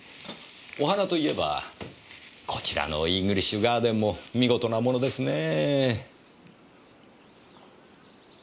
お花といえばこちらのイングリッシュガーデンも見事なものですねぇ。